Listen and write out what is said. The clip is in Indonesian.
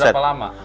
sudah berapa lama